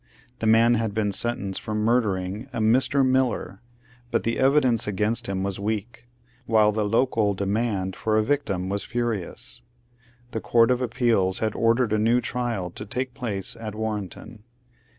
The man had been sentenced for murdering a Mr. Miller, but the evidence against him was weak, while the local demand for a victim was furious. The Court of Appeals had ordered a new trial, to take place at Warrenton.